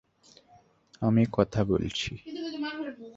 আমি কথা বলছি।